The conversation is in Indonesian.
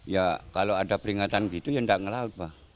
ya kalau ada peringatan gitu ya tidak melaut pak